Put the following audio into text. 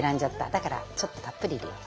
だからちょっとたっぷり入れよう。